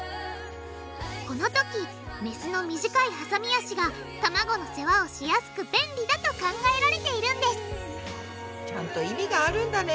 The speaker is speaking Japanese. このときメスの短いはさみ脚が卵の世話をしやすく便利だと考えられているんですちゃんと意味があるんだね。